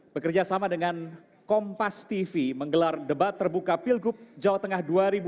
bekerja sama dengan kompas tv menggelar debat terbuka pilgub jawa tengah dua ribu delapan belas